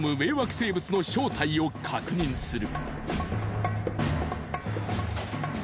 生物の正体を確認する。